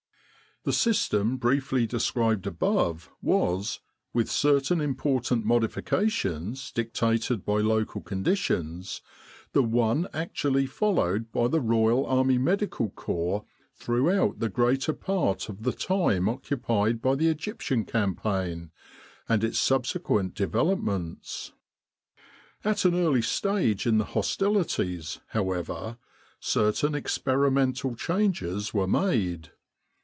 The system briefly described above was with certain important modifications dictated by local con ditionsthe one actually followed by the Royal Army Medical Corps throughout the greater part of the time occupied by the Egyptian Campaign and its subsequent developments. At an early stage in the hostilities, however, certain experimental changes were made.